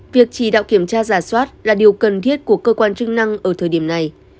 việc chỉ đạo kiểm tra giả soát là điều cần thiết của cơ quan chức năng ở thời điểm này